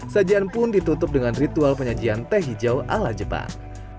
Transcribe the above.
sajian pun ditutup dengan ritual penyajian teh hijau ala jepang